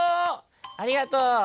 「ありがとう。